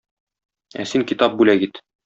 Ә син китап бүләк ит!